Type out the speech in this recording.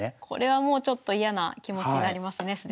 これはもうちょっと嫌な気持ちになりますね